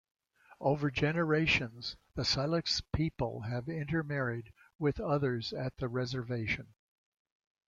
Over generations the Siletz people have intermarried with others at the reservation.